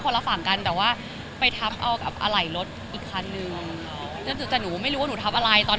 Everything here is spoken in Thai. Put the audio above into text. ครั้งนี้แถมอีกครั้งอยู่แถมถูกเดิน